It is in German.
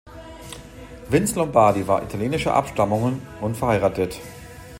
Vince Lombardi war italienischer Abstammung und verheiratet.